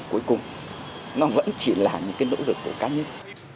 cuối cùng nó vẫn chỉ là những cái nỗ lực của cá nhân